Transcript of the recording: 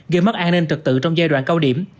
gây mất an ninh trật tự trong giai đoạn cao điểm